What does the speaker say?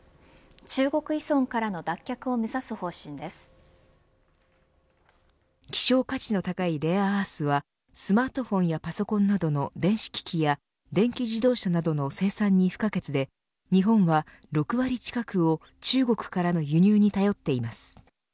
中国依存からの脱却を希少価値の高いレアアースはスマートフォンやパソコンなどの電子機器や電気自動車などの生産に不可欠で日本は６割近くを中国からの輸入に頼っています。